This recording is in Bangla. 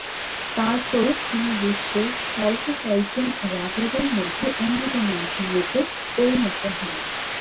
তারপরও তিনি বিশ্বের স্বল্প কয়েকজন রাজাদের মধ্যে অন্যতম একজনরূপে পরিণত হন।